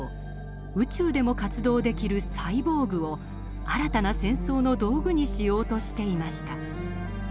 宇宙でも活動できるサイボーグを新たな戦争の道具にしようとしていました。